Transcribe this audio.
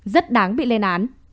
rất đáng bị lên án